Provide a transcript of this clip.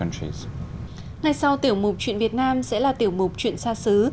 ngay sau tiểu mục chuyện việt nam sẽ là tiểu mục chuyện xa xứ